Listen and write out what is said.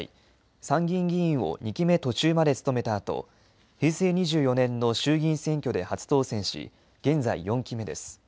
参議院議員を２期目途中まで務めたあと平成２４年の衆議院選挙で初当選し、現在４期目です。